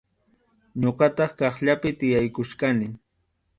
Ñuqataq kaqllapi tiyaykuchkani.